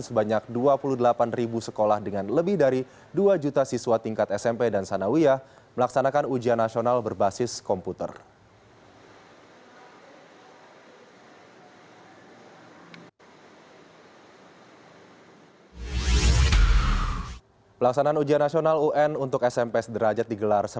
sebanyak dua puluh delapan ribu sekolah dengan lebih dari dua juta siswa tingkat smp dan sanawiya melaksanakan ujian nasional berbasis komputer